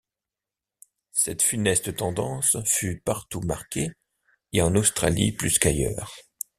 Cette funeste tendance fut partout marquée, et en Australie plus qu’ailleurs.